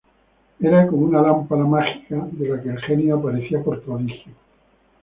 Era como una lámpara mágica de la que el genio aparecía por prodigio.